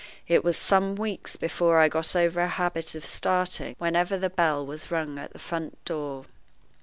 It was some weeks before I got over a habit of starting whenever the bell was rung at the front door.